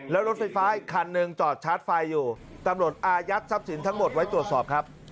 แล้วรถไฟฟ้าอีกคันหนึ่งจอดชาร์จไฟอยู่ตำรวจอายัดทรัพย์สินทั้งหมดไว้ตรวจสอบครับ